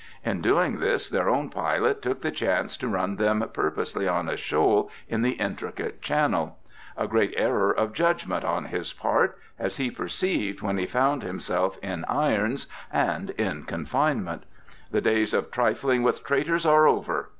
In doing this their own pilot took the chance to run them purposely on a shoal in the intricate channel. A great error of judgment on his part! as he perceived, when he found himself in irons and in confinement. "The days of trifling with traitors are over!"